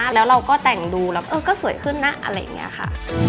แล้วเราก็แต่งดูแล้วก็สวยขึ้นนะอะไรอย่างนี้ค่ะ